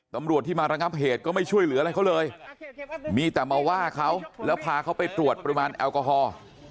ตำรวจที่มาระงับเหตุก็ไม่ช่วยเหลืออะไรเขาเลยมีแต่มาว่าเขาแล้วพาเขาไปตรวจปริมาณแอลกอฮอล์